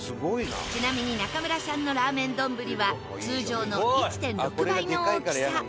ちなみに中村さんのラーメン丼は通常の１．６倍の大きさ。